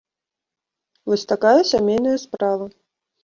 Вось такая сямейная справа.